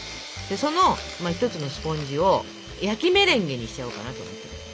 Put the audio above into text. その１つのスポンジを焼きメレンゲにしちゃおうかなと思って。